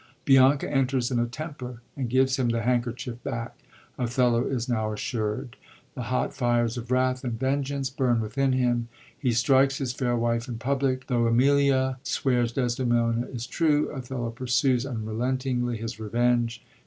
Bianca enters in a temper and gives him the handkerchief back. Othello is now assured. The hot fires of wrath and vengeance bum within him : he strikes his fair wife in public. Tho* Emilia swears Desdemona is true, Othello pursues unrelentingly his revenge.